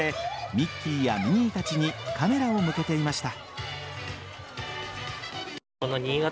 ミッキーやミニーたちにカメラを向けていました。